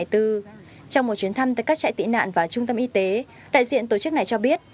trong một chuyến thăm tại các trại tị nạn và trung tâm y tế đại diện tổ chức này cho biết